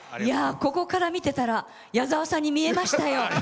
ここから見ていたら矢沢さんに見えましたよ。